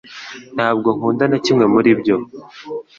Ntabwo nkunda na kimwe muri ibyo